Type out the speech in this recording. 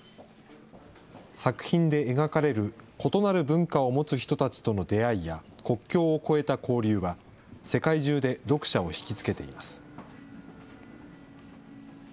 作品で描かれる異なる文化を持つ人たちとの出会いや国境を越えた交流は、世界中で読者を引き付けています。